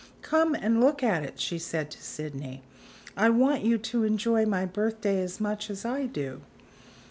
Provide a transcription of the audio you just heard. "Come and look at it," she said to Sydney; "I want you to enjoy my birthday as much as I do."